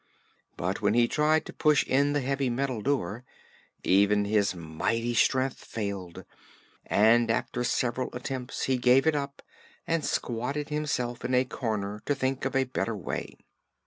But when he tried to push in the heavy metal door, even his mighty strength failed, and after several attempts he gave it up and squatted himself in a corner to think of a better way.